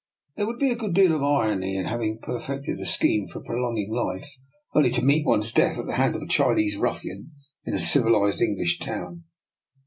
There would be a good deal of irony in having per fected a scheme for prolonging life, only to meet one's death at the hand of a Chinese ruffian in a civilised English town."